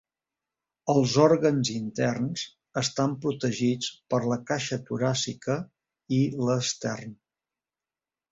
Els òrgans interns estan protegits per la caixa toràcica i l'estern.